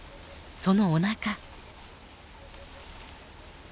そのおなか。